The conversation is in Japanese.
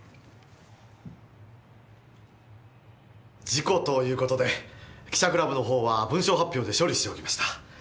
事故という事で記者クラブのほうは文書発表で処理しておきました。